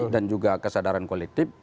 dan juga kesadaran kualitif